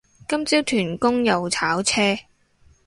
今朝屯公又炒車